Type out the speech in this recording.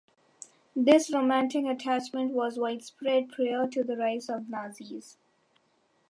This romantic attachment was widespread prior to the rise of the Nazis.